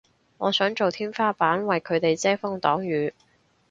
我想做天花板為佢哋遮風擋雨